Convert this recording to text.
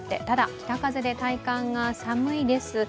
ただ、北風で体感が寒いです。